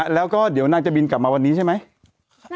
แล้วก็เดี๋ยวนางจะบินกลับมาวันนี้ใช่ไหม